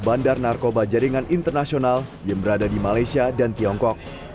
bandar narkoba jaringan internasional yang berada di malaysia dan tiongkok